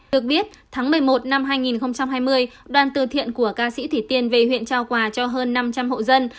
được biết tháng một mươi một năm hai nghìn hai mươi đoàn từ thiện của ca sĩ thủy tiên về huyện trao quà cho hơn năm trăm linh hộ dân